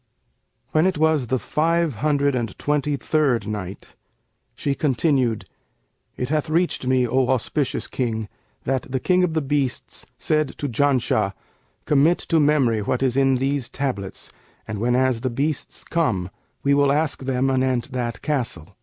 When it was the Five Hundred and Twenty third Night, She continued, It hath reached me, O auspicious King, that "the King of the Beasts said to Janshah, 'Commit to memory what is in these tablets; and whenas the beasts come, we will ask them anent that castle.'